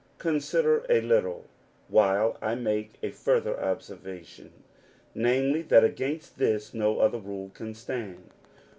Consider a little, while I make a further observation, namely, that against this no other rule can stand.